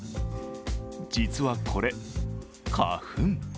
実はこれ、花粉。